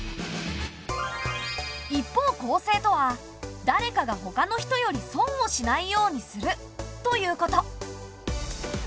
一方公正とは誰かが他の人より損をしないようにするということ。